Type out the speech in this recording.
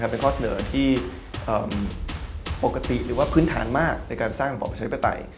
เป็นข้อเสนอที่ปกติหรือว่าพื้นฐานมากในการสร้างระบอบประชาธิปไตย